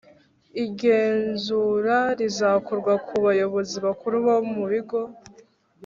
igenzura rizakorwa ku bayobozi bakuru bo mu bigo